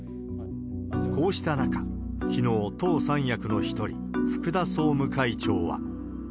こうした中、きのう、党三役の一人、福田総務会長は。